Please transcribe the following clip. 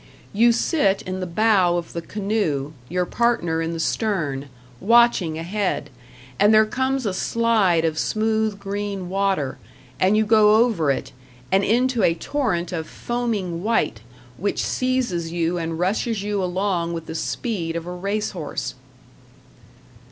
You sit in the bow of the canoe, your partner in the stern, watching ahead; and there comes a slide of smooth green water, and you go over it, and into a torrent of foaming white, which seizes you and rushes you along with the speed of a race horse.